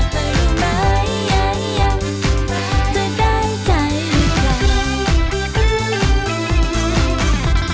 คนเธอเป็นหลักเธอรู้ไหมจะได้ใจหรือเปล่า